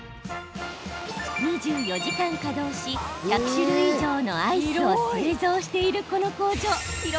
２４時間稼働し１００種類以上のアイスを製造している、この工場。